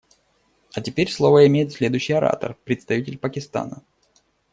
А теперь слово имеет следующий оратор − представитель Пакистана.